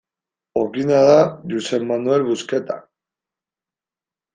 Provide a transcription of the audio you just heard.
Okina da Josep Manel Busqueta.